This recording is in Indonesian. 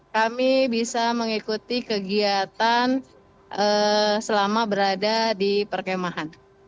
kami bisa mengikuti kegiatan selama berada di perkemahan